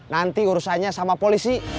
nanti urusannya sama polisi